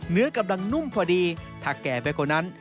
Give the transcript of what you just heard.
เนื้อกำลังนุ่มพอดีถ้าแก่ไปกว่านั้น